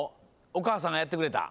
おかあさんがやってくれた？